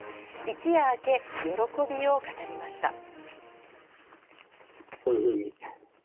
一夜明け、喜びを語りました。